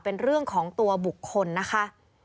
เป็นเรื่องของตัวบุคคลนะคะ